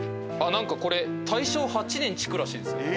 なんかこれ大正８年築らしいですよ。